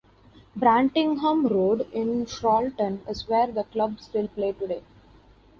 Brantingham Road in Chorlton is where the club still play today.